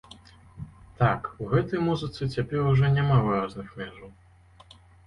Так, у гэтай музыцы цяпер ужо няма выразных межаў.